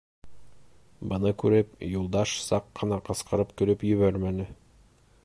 Быны күреп Юлдаш саҡ ҡына ҡысҡырып көлөп ебәрмәне.